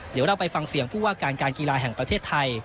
เดี๋ยวเราไปฟังเสียงผู้ว่าการการกีฬาแห่งประเทศไทย